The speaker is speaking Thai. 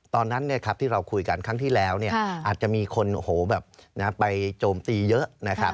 ตอนนั้นที่เราคุยกันครั้งที่แล้วอาจจะมีคนไปโจมตีเยอะนะครับ